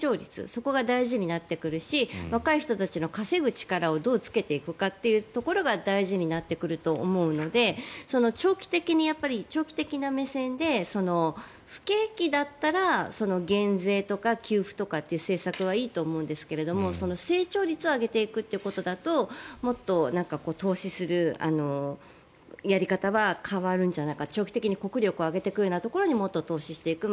そこが大事になってくるし若い人たちの稼ぐ力をどうつけていくかというところが大事になってくると思うので長期的な目線で不景気だったら減税とか給付とかっていう政策はいいと思うんですが成長率を上げていくということだともっと投資するやり方は変わるんじゃないか長期的に国力を上げていくようなところにもっと投資していく。